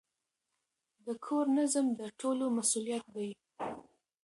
د کور نظم د ټولو مسئولیت دی.